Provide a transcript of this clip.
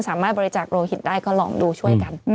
สามารถบริจาคโลหิตได้ก็ลองดูช่วยกัน